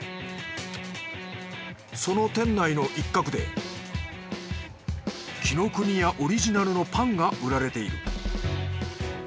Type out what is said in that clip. その店内の一角で紀ノ国屋オリジナルのパンが売られている。